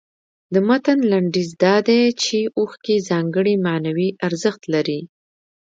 د متن لنډیز دا دی چې اوښکې ځانګړی معنوي ارزښت لري.